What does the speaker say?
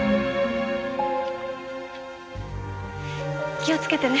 気をつけてね。